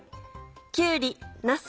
きゅうりなす